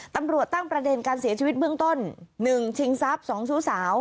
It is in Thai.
ตำรวจตั้งประเด็นการเสียชีวิตเบื้องต้น๑ชิงทรัพย์๒ชู้สาว